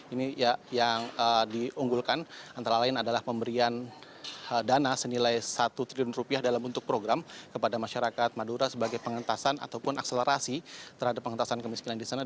ini yang diunggulkan antara lain adalah pemberian dana senilai satu triliun rupiah dalam bentuk program kepada masyarakat madura sebagai pengentasan ataupun akselerasi terhadap pengentasan kemiskinan di sana